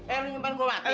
eh lu nyempan kuat